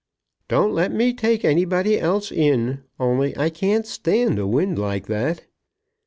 "Don't let me take anybody else in, only I can't stand a wind like that."